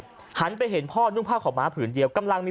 หันไปเห็นพ่อนุ่งผ้าขาวม้าผืนเดียวกำลังมี